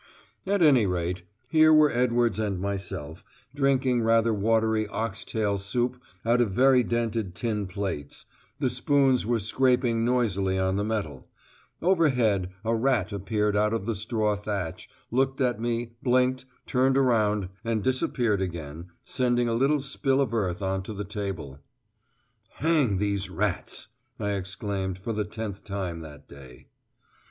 At any rate, here were Edwards and myself, drinking rather watery ox tail soup out of very dinted tin plates the spoons were scraping noisily on the metal; overhead, a rat appeared out of the straw thatch, looked at me, blinked, turned about, and disappeared again, sending a little spill of earth on to the table. "Hang these rats," I exclaimed, for the tenth time that day.